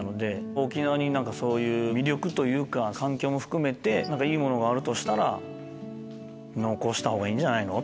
沖縄にそういう魅力というか環境も含めていいものがあるとしたら残した方がいいんじゃないの？